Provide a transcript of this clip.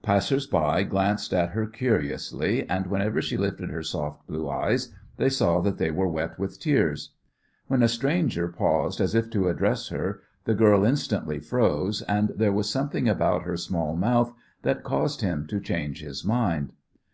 Passers by glanced at her curiously, and whenever she lifted her soft blue eyes they saw that they were wet with tears. When a stranger paused as if to address her the girl instantly froze, and there was something about her small mouth that caused him to change his mind.